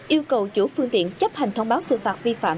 yêu cầu chủ phương tiện chấp hành thông báo sự phạt vi phạm